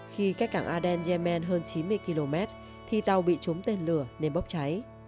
khi cách cảng aden yemen hơn chín mươi km thì tàu bị trúng tên lửa nên bốc cháy